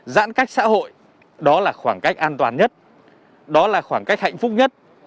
giãn cách xã hội đó là khoảng cách an toàn nhất đó là khoảng cách hạnh phúc nhất